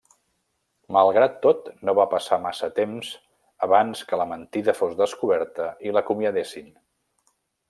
Malgrat tot no va passar massa temps abans que la mentida fos descoberta i l'acomiadessin.